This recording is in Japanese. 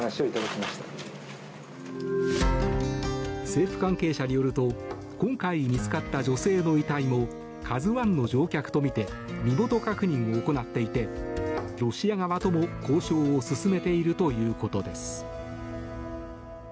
政府関係者によると今回見つかった女性の遺体も「ＫＡＺＵ１」の乗客とみて身元確認を行っていてロシア側とも交渉を進めているということです。